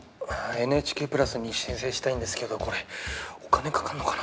ＮＨＫプラスに申請したいんですけどこれお金かかんのかな？